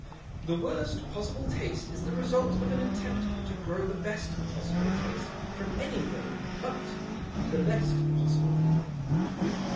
The worst possible taste is the result of an attempt to grow the best possible taste from anything but the best possible feeling."